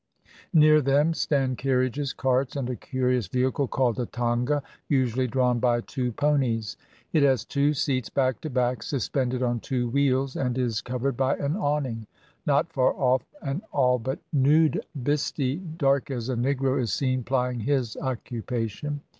Near them stand carriages, carts, and a curious vehicle called a tonga, usually drawn by two ponies. It has two seats back to back, suspended on two wheels, and is covered by an awning. Not far off an all but nude Bhisti, dark as a Negro, is seen plying his occupation.